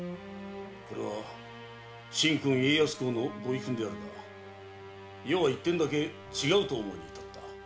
これは神君家康公のご遺訓であるが余は一点だけ違うと思うにいたった。